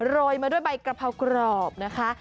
โรยมาด้วยใบกะเพรากรอบนะคะ